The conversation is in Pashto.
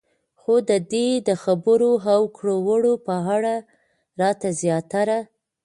خو د دې د خبرو او کړو وړو په اړه راته زياتره